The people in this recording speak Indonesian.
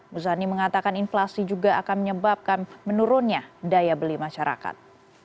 muzani mengatakan inflasi juga akan menyebabkan menurunnya daya beli masyarakat